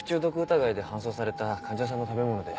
疑いで搬送された患者さんの食べ物で。